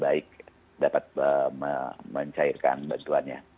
baik dapat mencairkan bantuannya